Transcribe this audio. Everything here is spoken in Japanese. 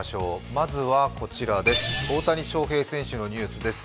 まずはこちら、大谷翔平選手のニュースです。